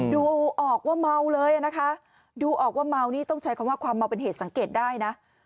ดูออกว่าเมาเลยนะคะดูออกว่าเมานี่ต้องใช้คำว่าความเมาเป็นเหตุสังเกตได้นะ